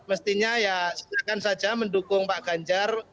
mestinya ya silakan saja mendukung pak ganjar